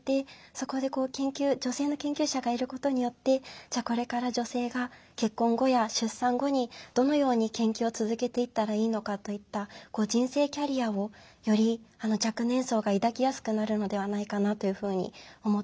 そこで女性の研究者がいることによってじゃあこれから女性が結婚後や出産後にどのように研究を続けていったらいいのかといった人生キャリアをより若年層が抱きやすくなるのではないかなというふうに思っています。